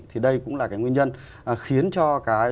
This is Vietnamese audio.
thì đây cũng là cái nguyên nhân khiến cho cái